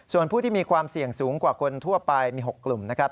ส่วนผู้ที่มีความเสี่ยงสูงกว่าคนทั่วไปมี๖กลุ่มนะครับ